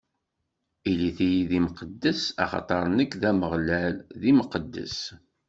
Ilit-iyi d imqeddsen, axaṭer nekk, Ameɣlal, d Imqeddes.